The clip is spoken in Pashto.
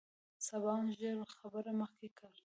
سباوون ژر خبره مخکې کړه.